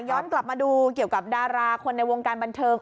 ย้อนกลับมาดูเกี่ยวกับดาราคนในวงการบันเทิง